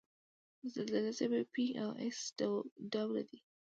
د زلزلې څپې P او S ډوله دي.